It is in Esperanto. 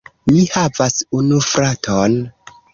Mi havas unu fraton.